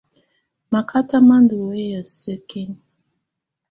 Makata má ndù wɛyà sǝ́kinǝ.